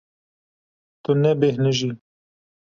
Tu nebêhnijî.